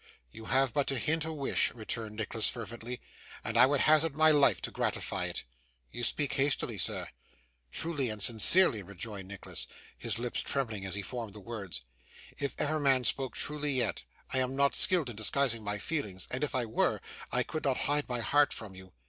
'You have but to hint a wish,' returned Nicholas fervently, 'and I would hazard my life to gratify it.' 'You speak hastily, sir.' 'Truly and sincerely,' rejoined Nicholas, his lips trembling as he formed the words, 'if ever man spoke truly yet. I am not skilled in disguising my feelings, and if I were, I could not hide my heart from you.